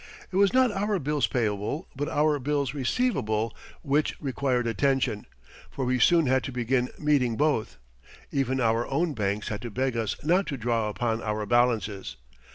It was not our bills payable but our bills receivable which required attention, for we soon had to begin meeting both. Even our own banks had to beg us not to draw upon our balances.